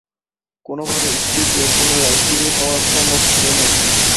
কোনভাবেই স্ত্রীকে পুনরায় ফিরে পাওয়া সম্ভব ছিলোনা।